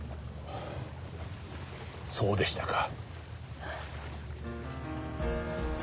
そうでしたか。